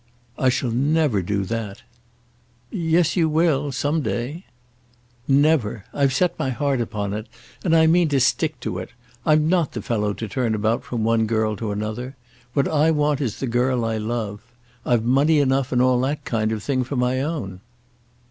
"I shall never do that." "Yes you will; some day." "Never. I've set my heart upon it, and I mean to stick to it. I'm not the fellow to turn about from one girl to another. What I want is the girl I love. I've money enough and all that kind of thing of my own."